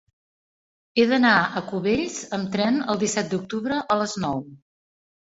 He d'anar a Cubells amb tren el disset d'octubre a les nou.